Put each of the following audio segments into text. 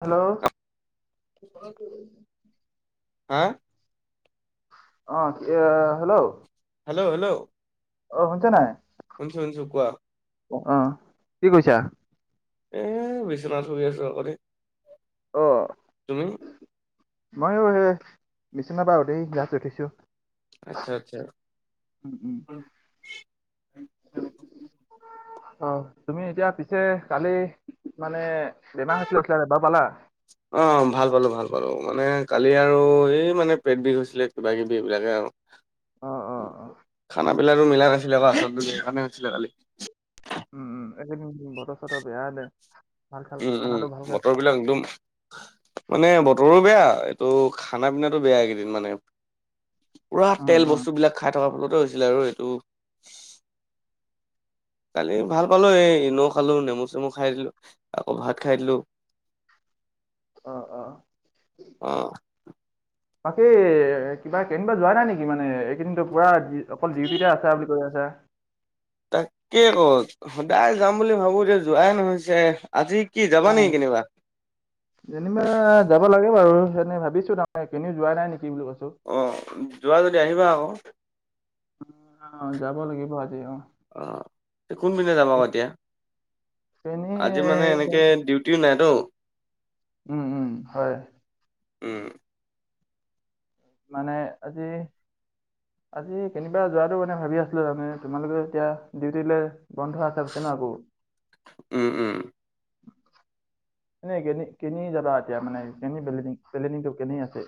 Hello হা অ কি আ হেল্ল হেল্ল'হেল্ল' অ শুনিছে নাই, কোৱা অ কি কৈছা? এ বিচনাত শুই আছো অকতে, তুমি? ময়ো সে বিচনা পৰা উঠি জাচ উঠিছোঁ আচ্ছা আচ্ছা উম উম অ তুমি এতিয়া পিছে কালি মানে বেমাৰ হৈছিলে কৈছিলা বাও পালা? অ ভাল পালোঁ, ভাল পালোঁ মানে কালি আৰু এই মানে পেট বিষ হৈছিলে কিবা কিবি এইবিলাকে আৱ অ অ অ খানা বিলাক মিলা নাছিলে বা আচলতে যে সেইকাৰণে হৈছিলে কালি উম উম এইদিন বতৰ-চতৰ বেয়া যে উম উম বতৰবিলাক একদম মানে বতৰো বেয়া এইটো খানা পিনাটো বেয়া এইকেইদিন মানে পোৰা উম তেল উম বস্তু বিলাক খাই থকাৰ ফলতে হৈছিলে আৰু এইটো কালি ভাল পালো এই ইন'খালো নেমু-চেমু খাই দিলো আকৌ ভাত খাই দিলোঁ আহ, অ। অ বাকী কিবা কেনিবা যোৱা নাই নেকি মানে এইকেইদিনো পুৰা? অকল ডিউটিতে আছা বুলি কৈ আছা। তাকে ক সদায় যাম বুলি ভাবো দে যোৱাই নহৈছে। আজি কি যাবা নেকি কেনিবা? কেনিবা যাব লাগে বাৰু, সেনে ভাবিছো তাৰমানে কেনেও যোৱা নাই নেকি বুলি কৈছো। অ, যোৱা যদি আহিবা আকৌ। অ, যাব লাগিব আজি অ। অঁ, কোনপিনে যাব আ এতিয়া? ট্ৰেইনে আজি মানে এনেকে ডিউ- টিও নাইটো। উম-উম হয়। উম। মানে আজি। আজি কেনিবা যোৱাতটো মানে ভাবি আছিলো তাৰমানে। তোমালোকে এতিয়া ডিউটিলে- বন্ধ আছে আছে বুইছে ন আকৌ। উম-উম। এনে কে কিনি যাবা, এতিয়া মানে কেনি প্লেনিং, প্লেনিংটো কেনি আছে?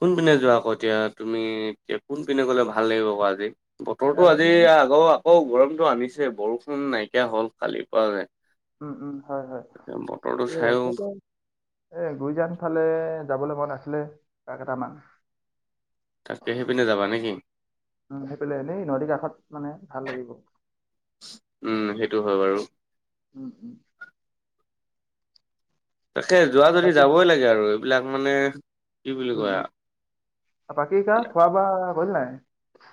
কোন পিনে যোৱা আকৌ এতিয়া তুমি? এতিয়া কোনপিনে গ'লে ভাল লাগিব আকৌ আজি! বতৰটো আজি আগৌ আকৌ গৰমতটো আনিছে, বৰষুণ নাইকিয়া হল কালিৰ পৰা। উম- উম, হয়, হয়। বতৰটো চাইও এই গুইজান ফালে যাবলৈ মন আছিলে পাক এটামান। তাকে সেইপিনে যাবা নেকি উম, সেইফালে এনেই নদীৰ কাষত মানে ভাল লাগিব। উম, সেইটো হয় বাৰু। উম-উম। তাকে যোৱা যদি বাকী যাবই লাগে আৰু এইবিলাক মানে কি বুলি উম উম কয়- বাকী কা খোৱা বোৱা কৰিলি নাই?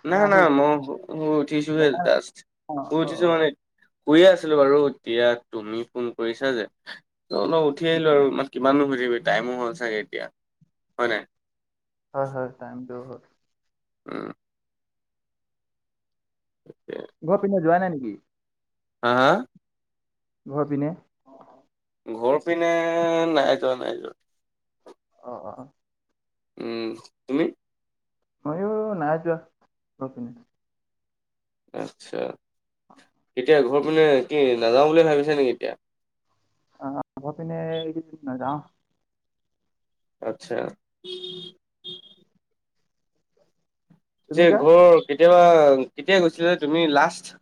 মানে না-না শুই মই উঠি- শু-শুই উঠিছো হে জাষ্ট, অ শুই অ উঠিছো অ মানে- শুইয়ে আছিলো বাৰু এতিয়া তুমি ফোন কৰিছা যে - অলপ উঠি আহিলো আৰু কিমানো শুই থাকিবি, টাইমো হল চাগে এতিয়া হয় নাই? হয়, হয়, হয় টাইমটো হল। উম তে- ঘৰ পিনে যোৱা নাই নেকি? হা, হা- ঘৰ পিনে! ঘৰ পিনে নাই যোৱা, নাই যোৱা। অঁ, অঁ, অঁ। উম, তুমি? মইয়ো নাই যোৱা ঘৰৰ পিনে। আচ্ছা, এতিয়া ঘৰ পিনে কি নাযাওঁ বুলি ভাবিছা নেকি এতিয়া? আ হা, ঘৰপিনে নাযাওঁ। আচ্ছা! উম। তুমি যে কা? ঘৰ কেতিয়াবা, কেতিয়া গৈছিলে যে তুমি লাষ্ট?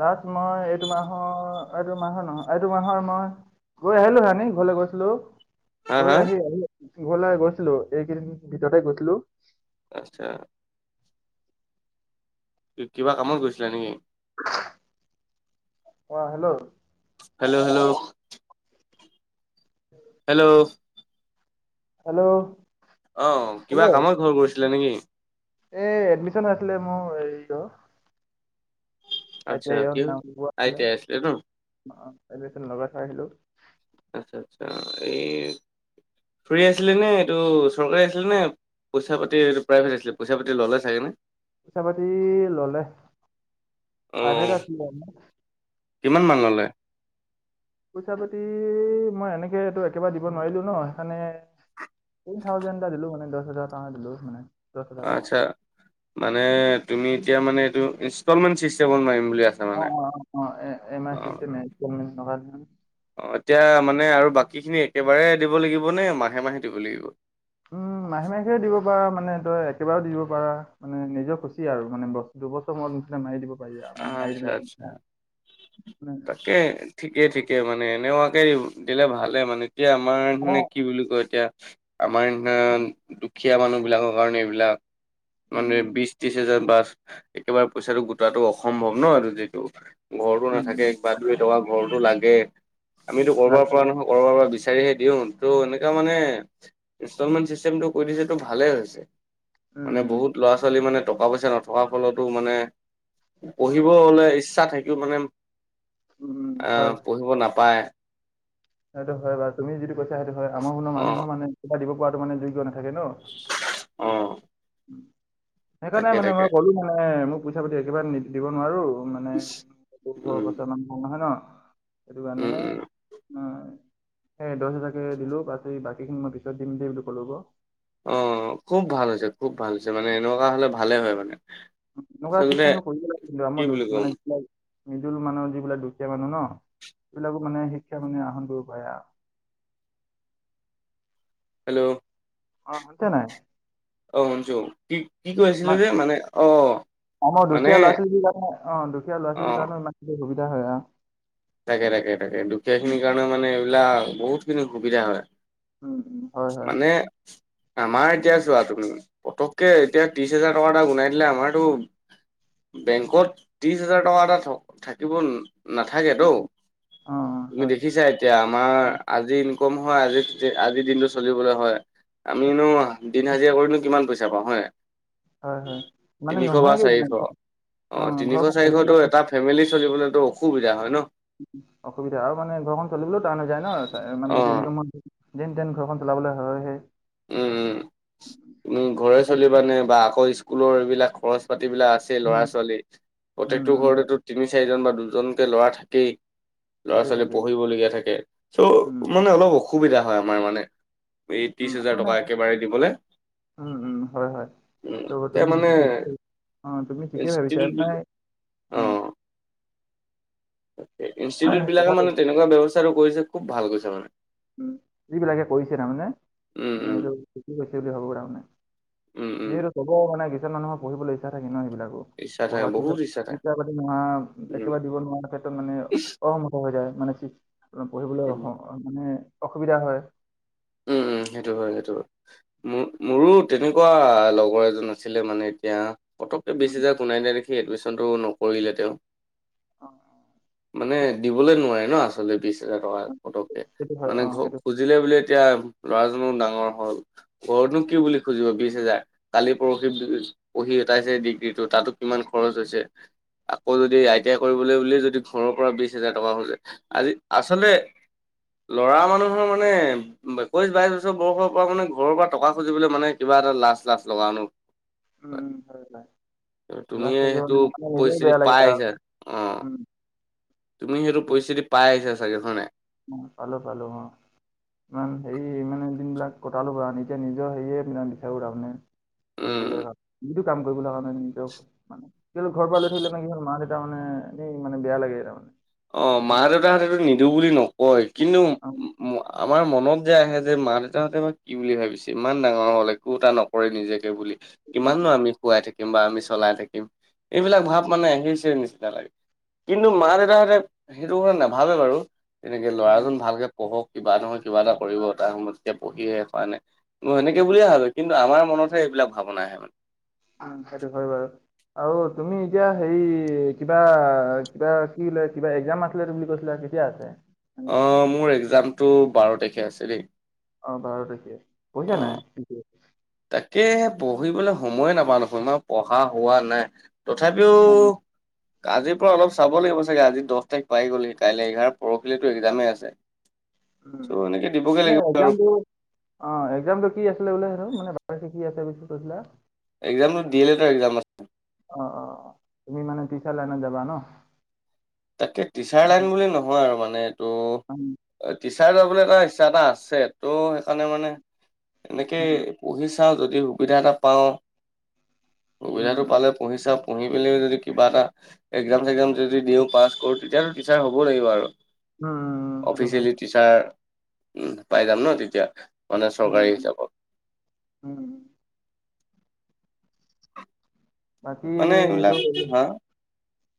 লাষ্ট মই এইটো মাহৰ, এইটো মাহৰ নহয়, এইটো মাহৰ মই- গৈ আহিলো হোনি ঘৰলৈ গৈছিলো। হা গৈ হা আহি, আহি ঘৰলে গৈছিলো এইকেইদিন ভিতৰতে গৈছিলো। আছা। কি কিবা কামত গৈছিলা নেকি? [inaudible] অঁ hello! Hello! Hello! Hello hello! অঁ, কিবা কামত ঘৰ গৈছিলে নেকি? এ, এডমিশন আছিলে মোৰ হেৰিত অ। আই টি আচ্ছা আইয়ত কিয় নামলগোৱা আই আছিলে। টি আই ন অঁ অঁ সেইটো একচুৱেলি লগাই থৈ আহিলোঁ। আচ্ছা, আচ্ছা এই ফ্ৰী আছিলেনে? এইটো চৰকাৰী আছিলে নে? পইচা -পাতি, এইটো প্ৰাইভেট আছিলে। পইচা পাতি ল'লে চাগে নে? পইচা -পাতি ললে। অ প্ৰাইভেট আছিলে। কিমান মান ল'লে? পইচা-পাতি মই এনেকে এইটো একেবাৰে দিব নোৱাৰিলো ন'। সেইকাৰণে থ্ৰী থাউজেণ্ড এটা দিলো মানে। দহ হাজাৰ কাৰণে দিলো মানে। দহ হাজাৰ টকা। আচ্ছা, মানে তুমি এতিয়া মানে এইটো ইষ্টলমেণ্ট ছিষ্টেমত নোৱাৰিম বুলি আছা। অঁ, মানে অঁ অঁ অঁ--ই এম আই চিষ্টেম। ইষ্টলমেণ্ট সেনকা অঁ, এতিয়া মানে আৰু বাকীখিনি একেবাৰে দিব লাগিব নে মাহে, মাহে দিব লাগিব? উম, মাহে মাহেও দিব পাৰা মানে তই একেবাৰো দি দিব পাৰা। মানে নিজে খুচি আৰু মানে বছ--দুবছৰ মূৰত মোঠ ধাৰ মাৰি দিব মানে নাই আচ্ছা আচ্ছা দ তাকে ঠিকে, ঠিকে মানে এনেুৱাকে দিলে ভালে মানে। এতিয়া আমাৰে অ মানে কি বুলি কই এতিয়া? আমাৰ নিচিনা দুখীয়া মানুহ বিলাকৰ কাৰণে এইবিলাক। উম মানে উম বিশ ত্ৰিশ হাজাৰ বা একেবাৰে পইচাটো গোটোৱাটো অসম্ভৱ ন'। এইটো যিটো ঘৰতো উম উম নাথাকে কিবা দুই- এটকা ঘৰতো লাগে। আমিটো লাজ কৰবাৰ পৰা লাজ নহয় কৰবাৰ পৰা বিচাৰিহে দিওঁ। ত' এনেকা মানে ইনষ্টলমেণ্ট চিষ্টেমটো কৰি দিছেটো ভালে হৈছে। উম মানে উম বহুত ল'ৰা-ছোৱালী মানে টকা-পইচা নথকাৰ ফলতো মানে পঢ়িবলে ইচ্ছা থাকিও মানে উম উম আ হয় পঢ়িব নাপায়। সেইটো হয় বাও। তুমি যিটো কৈছা সেইটো হয়। আমাৰ ভূণ অ মানুহৰ মানে কিবা দিব পৰাটো মানে যোগ্য নাথাকে ন'। অঁ সেইকাৰণে মানে মই ক'লো মানে মোক পইচা-পাতি একেবাৰে নি দিব নোৱাৰোঁ। মা মানে ঘৰৰ উম অৱস্থা ইমান ভাল নহয় ন' সেইটো উম কাৰণে। উম হয়, হে দহ হেজাৰকে দিলো বাকী বাকী খিনি মই পিছত দিম দেই বুলি ক'লো ক '। অঁ, খুওব ভাল হৈছে, খুওব ভাল হৈছে মানে এনেকুৱা হ'লে ভালে হয় মানে। এনেকুৱা আচলতে চিষ্টেমটো কৰি আছিলোঁ কি আমাৰ বুলি দুদিনমান ক'ম হৈছিলেই। মিডল মানুহ যিবিলাক দুখীয়া মানুহ ন' সেইবিলাকো মানে, শিক্ষা মানে আহৰণ কৰিব পাৰে আৰু। হেল্ল! অঁ, শুনিছা নাই? অঁ, শুনিছো, কি কি কৈছিলি ইমান যে মানে অ' আমাৰ মানে দুখীয়া ল'ৰা-ছোৱালীখিনিৰ কাৰণে অঁ, দুখীয়া অ ল'ৰা-ছোৱালীৰ কাৰণেও ইমানখি সুবিধা হয় আৰু। তাকে, তাকে তাকে। উম দুখীয়াখিনিৰ কাৰণেও মানে এইবিলাক বহুতখিনি সুবিধা উম উম, হয় হয়। হয় মানে আমাৰ এতিয়া চোৱা তুমি পতককে এতিয়া ত্ৰিশ হেজাৰ টকা এটা গুনাইদিলে আমাৰতো বেংকত ত্ৰিশ হাজাৰ টকা এটা থক্ থাকিব নাথাকেটো। অ অ, তুমি হয় দেখিছা এতিয়া আমাৰ আজি ইনকম হয় আজি আজিৰ দিনটো চলিবলৈ হয়। আমিনো দিন হাজিৰা কৰিনো কিমান পইচা পাওঁ হয় হয় নাই। হয় মানে তিনিশ বা নহয়গে মানে চাৰিশ, অ অ'হ তিনিশ ঘৰখন চাৰিশতো চলিবলৈ এটা ফ্ৰেমেলি চলিবলৈতো অসুবিধা হয় ন। অসুবিধা হয় মানে ঘৰখন চলিবলৈও টান হৈ যায় ন মানে যিটো অ ইনকম যেন তেন ঘৰখন চলাবলৈ হয় হে। উম, উম, উম ঘৰে চলিবা নে বা আকৌ স্কুলৰ এইবিলাক খৰচ পাতিবিলাক আছে। সেই ল'ৰা উম ছোৱালী উম প্ৰত্যেকটো উম, হয়। ঘৰতেতো তিনি চাৰিজন বা দুজনকে ল'ৰা থাকেই। ল'ৰা থাকেই ছোৱালী থাকেই পঢ়িবলগীয়া থাকে চ' উম মানে অলপ অসু অসুবিধা হয় আমাৰ মানে, এই উম ত্ৰিশ আৰু হাজাৰ মানে টকা একেবাৰে দিবলে উম উম হয় হয়, উম, সেইটো এতিয়া তুমি মানে ঠিকেই অহ' তুমি ঠিকে ভাবিছা এমাই অহ। ইনষ্টিটিউটত বিলাকে কথাটো মানে তেনেকুৱা ব্যৱস্থাটো কৰিছে খুব ভাল কৰিছে মানে। উম যিবিলাকে কৰিছে তাৰমানে উম, মানে উম। এইটো শিকি লৈছে বুলি ভাবো তাৰমানে। উম, উম, যিহেতু চবৰ মানে কিছুমান মানুহৰ পঢ়িবলৈ ইচ্ছা থাকে ন সেইবিলাকো। ইচ্ছা পঢ়া থাকে কিন্তু বহুত ইচ্ছা থাকে পইচা পাতি উম, নোহোৱাএকেবাৰে দিব নোৱাৰা ক্ষেত্ৰত মানে অসমৰ্থ হৈ যায় মানে ঠিক পঢ়িবলৈ উম, মানে অসুবিধা হয়। উম, উম, সেইটো হয়, সেইটো হয়। মোৰ মোৰো তেনেকুৱা লগৰ এজন আছিলে মানে এতিয়া পটককে বিশ হেজাৰ গুনাই দিয়া দেখি এডমিশ্যনটো নকৰিলে তেওঁ। অ' মানে দিবলৈ নোৱাৰে ন আচলতে বিশ হাজাৰ টকা পতককে সেইটো হয় অ মানে সেইটো ঘৰত খুজিলে বুলিয়েই এতিয়া ল'ৰাজনো ডাঙৰ হ'ল। ঘৰতনো কি বুলি খুজিব বিশ হাজাৰ কালি পৰহি পঢ়ি এটাছেহে ডিগ্ৰীটো তাতো কিমান খৰচ হৈছে। আকৌ যদি আই টি আই কৰিবলৈ বুলিয়ে যদি ঘৰৰ পৰা বিশ হাজাৰ টকা খোজে। আজি আচলতে ল'ৰা মানুহৰ মানে একৈশ বাইশ বছৰ ব বয়সত পৰা মানে ঘৰৰ পৰা টকা খুজিব মানে কিবা এটা লাজ লাজ লগা অনু উম উম হয় লাজ, লাজ তুমিয়ে লাগে সেইটো মানে নিজে নিজেই পৰিস্থিতি বেয়া পাই লাগিছে আৰু আহিছা অ উম। তুমি সেইটো পৰিস্থিতি পায় আহিছা চাগে হয় নাই উম, পালোঁ পালোঁ অ'হ ইমান হেৰি ইমানে দিনবিলাক কটালো কাৰণে এতিয়া নিজৰ হেৰিয়ে বিচাৰো তাৰমানে। কৰিবলৈ উম অ', যিটো কাম কৰিবলৈ মানে নিজৰ কিয়নো ঘৰৰ পৰা লৈ থাকিলে মানে মা দেউতা মানে এনেই মানে বেয়া লাগে তাৰমানে। অ'হ মা আজিকালি দেউতাহতেতো নিদো বুলি নকয় কিন্তু অ, উম, আমাৰ। মনত যে আহে যে মা দেউতাহঁতে বা কি বুলি ভাবিছে ইমান ডাঙৰ হল একো এটা নকৰে নিজকে বুলি। কিমাননো আমি খোৱাই থাকিম বা আমি চলাই থাকিম এইবিলাক ভাৱ মানে আহিছে নিচিনা লাগে। কিন্তু মা দেউতাহঁতে সেইটো কথা নাভাবে বাৰু তেনেকে ল'ৰাজন ভালকে পঢ়ক কিবা নহয় কিবা এটা কৰিব তাৰ সময়তকে পঢ়িয়ে শেষ হোৱা নাই মই সেনেকে উম, বুলিয়ে ভাবে। কিন্তু আমাৰ মনতে এইবিলাক ভাৱনা আহে মানে অহ সেইটো বাৰু আৰু আৰু তুমি এতিয়া হেৰি কিবা কিবা কি ওলাই কিবা একজাম আছিলে বুলি কৈছিলা কেতিয়া আছে। অহ মোৰ একজামটো বাৰ তাৰিখে আছে দেই। অঁ', বাৰু থিকেই। পঢ়িছা নাই অ'। তুমি? তাকে পঢ়িবলৈ সময়ে নাপাওঁ দেখোন, ইমান পঢ়া হোৱা নাই। তথাপিও- আজিৰ পৰা অলপ চাব লাগিব চাগে, আজি দ'হ তাৰিখ পাই গ'লহি কাইলৈ এঘাৰ পৰহিলেতো এক্জামে আছে। উম, চ' এনেকে দিবগে লাগিব নহয় আৰু এক্জামটো- অঁ এক্জাম টো কি আছিলে বোলে সেইটো মানে কি আছে বুলি কৈছিলা? এক্জামটো ডি এল এৰ এক্জাম আছে। অ অ অ তুমি মানে টিচাৰ লাইনত যাবা ন তাকে টিচাৰ লাইন বুলি নহয় আৰু মানে- অ। টিচাৰ যাবলৈ এটা ইচ্ছা এটা আছে ত' সেইকাৰণে মানে উম এনেকে- পঢ়ি চাওঁ যদি সুবিধা এটা পাওঁ সুবিধা এটা উম পালে পঢ়ি চাম। পঢ়ি পেলি যদি কিবা এটা এক্জাম চেগাম যদি দিওঁ পাছ কৰোঁ তেতিয়াতো টিচাৰ হ'ব লাগিব আৰু। উম উম সেইটো হয় অফিচিয়েলি টিচাৰ উম পাই যাম ন তেতিয়া। মানে চৰকাৰী উম হিচাপত। উম। বাকী মানে এইবিলাক এইটো- হা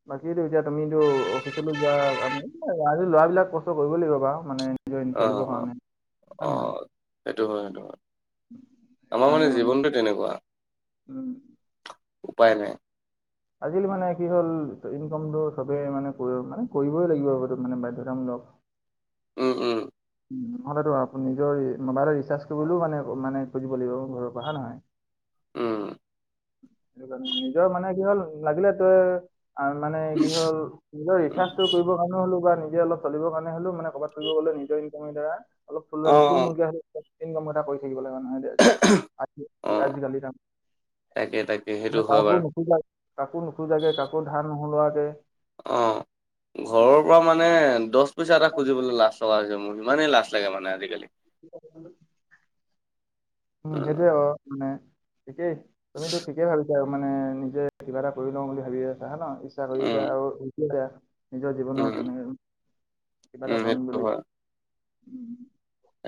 বাকীতো এতিয়া তুমিতো অফিচলৈ যোৱা আজি কালি ল'ৰাবিলাক কষ্ট কৰিব লাগিব বাৰু, মানে- ইঞ্জয় অ কৰিব কাৰণে হয় নে অ নহয়। সেইটো হয়, সেইটো হয়, সেইটো আমাৰ মানে কাৰণে জীৱনটো তেনেকুৱা। উম উপায় নাই। আজিকালি মানে কি হ'ল ইনকমটো চবেই মানে মানে কৰিবই লাগিব মানে বাধ্যতামূলক। উমঁ, উমঁ। নহ'লেতো আপুনি নিজৰ মোবাইল ৰিচাৰ্জ কৰিবলেও মানে মানে খুজিব লাগিব ঘৰৰ পৰা হয় নহয়। উম সেইকাৰণে নিজৰ মানে কি হ'ল লাগিলে তোৰ- আৰু মানে কি হ'ল নিজৰ উম ৰিচাৰ্জটো কৰিবৰ কাৰণেও হ'লো বা নিজে অলপ চলিবৰ কাৰণে হ'লেও মানে- ক'ৰবাত ফুব গ'লেও নিজৰ ইনকম ধৰা অলপ অ অ থূল-মূলকে মুগনক কৰি থাকিব লাগিব হয় অ নহয়। আজিকালি তাকে তাকে সেইটো মানে হয় কাকো বাৰু নুখুজাকে- কাকো নোখোজাকে, কাকো ধাৰ নোহোলোৱাকে। অঁহ', ঘৰৰ- পৰা মানে দ'হ পইচা এটা খুজিবলৈ লাজ লগা হৈছে মোৰ ইমানেই লাজ লাগে মানে আজিকালি। [inaudible] উম সেইটোৱে অ মানে ঠিকেই তুমিতো ঠিকেই ভাবিছা আৰু। মানে নিজে কিবা এটা কৰি লওঁ বুলি ভাবি আছো হে ন ইচ্ছা কৰি আছে উম আৰু। নিজৰ জীৱনৰ উম তেনেকে কিবা উম এটা কৰিম সেইটো বুলি। হয়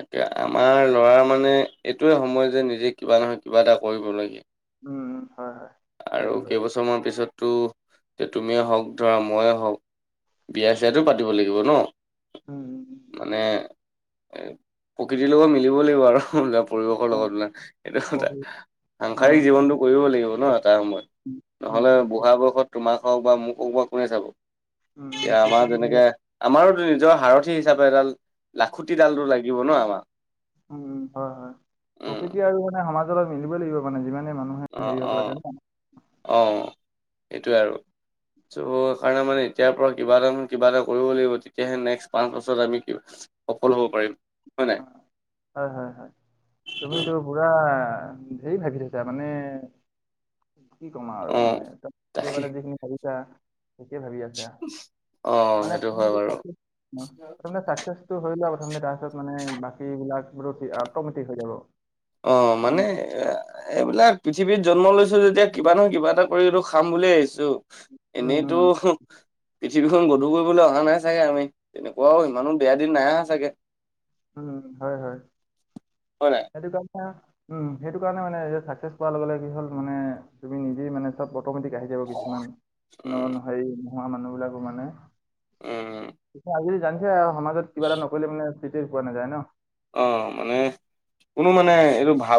তাকে, আমাৰ ল'ৰা মানে এইটোৱে সময় যে নিজে কিবা নহয় কিবা এটা কৰিবলগীয়া। উমঁ হয়, হয়। আৰু এইটো হয় কেইবছৰমানৰ পিছততো যে তুমিয়ে হওঁক ধৰা মোৰে হওঁক- বিয়া চিয়াটো পাতিব লাগিব ন। উম মানে- এ প্ৰকৃতিৰ লগত মিলিব লাগিব আৰু। পৰিৱেশৰ উম উম, লগত মিলাই সেইটো কথা, প্ৰকৃতি অ সাংসাৰিক জীৱনটো প্ৰকৃতি কৰিব লাগিব ন। উম নহ'লে উম বুঢ়া বয়সত তোমাক হওঁক বা মোক হওঁক বা কোনে চাব। উম উম এতিয়া আমাৰ প্ৰকৃতি আৰু যেনেকে- আমাৰোতো নিজৰ হাৰথি হিচাপে এডাল লাখুটিডালো লাগিব ন আমাক। উম, উম, হয়, হয়। উম প্ৰকৃতি আৰু মানে সমাজৰ লগত অলপ মিলিবই লাগিব মানে যিমানেই মানুহ অ অ অ' সেইটোৱে আৰু। ত' সেইকাৰণে মানে এতিয়াৰ পৰা কিবা এটা নহয় কিবা এটা কৰিব লাগিব তেতিয়াহে নেক্সট পাঁচ বছৰত আমি সফল হ'ব পাৰিম হয় নাই? হয় হয় হয়। তুমিতো পুৰা ধেই ভাবি থৈছা মানে কি কম অ আৰু মানে, তাত তুমি তাকে মানে যিখিনি ভাবিছা ঠিকে ভাবি আছা, অ মানে সেইটো হয় বাৰু সফল এইটো মানে ছাক্সেচ টো হৈ লোৱা প্ৰথমতে তাৰপিছত মানে বাকী বিলাক বোলো অটমেটিক হৈ যাব। অ মানে এ এইবিলাক পৃথিৱীত জন্ম লৈছো যেতিয়া কিবা নহয় কিবা এটা কৰিতো খাম বুলিয়ে আহিছো উম এনেইতো উম পৃথিৱীখন গধুৰ কৰিবলৈ অহা নাই চাগে আমি তেনেকোৱাও ইমানো বেয়া দিন নাই আহা চাগে। উম হয় হয়, হয় নাই সেইটো কাৰণ উম সেইটো কাৰণে মানে চাকচেছ পোৱাৰ লগে লগে কি হ'ল মানে তুমি নিজেই মানে ত' অটমেটিক আহি যাব কিছুমান উম হেৰি নোহোৱা মানুহবিলাকো মানে উম। আজি কালি জানিছাই আও সমাজত কিবা এটা নকৰিলে মানে চিটেই পোৱা নাযায় ন'। অ' মানে কোনো মানে এইটো ভাল